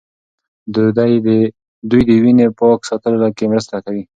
دوی د وینې پاک ساتلو کې مرسته کوي.